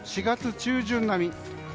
４月中旬並み。